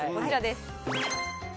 こちらです。